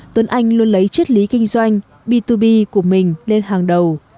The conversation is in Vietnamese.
tuấn anh luôn lấy chất lý kinh doanh b hai b của mình lên hàng đầu